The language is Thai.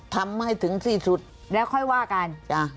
ทำให้ถึงที่สุดแล้วค่อยว่ากัน